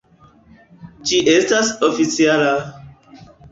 Ĝi estas oficiala!